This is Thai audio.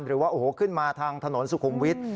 หรือว่าโอ้โหขึ้นมาทางถนนสุขุมวิทย์